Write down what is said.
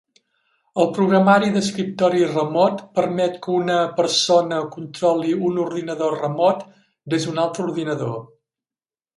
El programari d'escriptori remot permet que una persona controli un ordinador remot des d'un altre ordinador.